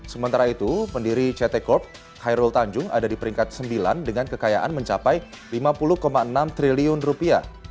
sementara itu pendiri ct corp khairul tanjung ada di peringkat sembilan dengan kekayaan mencapai lima puluh enam triliun rupiah